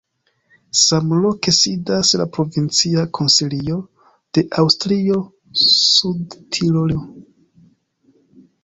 Samloke sidas la provincia konsilio de Aŭstrio-Sudtirolo.